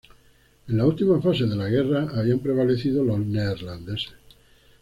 En las últimas fases de la guerra habían prevalecido los neerlandeses.